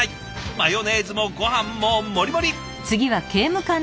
マヨネーズもごはんも盛り盛り！